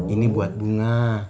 ini buat bunga